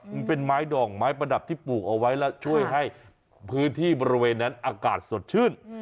มันเป็นไม้ดองไม้ประดับที่ปลูกเอาไว้แล้วช่วยให้พื้นที่บริเวณนั้นอากาศสดชื่น